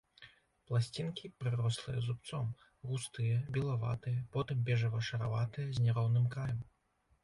Пласцінкі прырослыя зубцом, густыя, белаватыя, потым бежава-шараватыя, з няроўным краем.